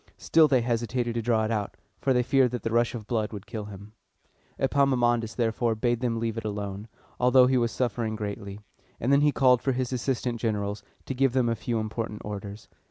Still they hesitated to draw it out, for they feared that the rush of blood would kill him. Epaminondas, therefore, bade them leave it alone, although he was suffering greatly; and then he called for his assistant generals, to give them a few important orders.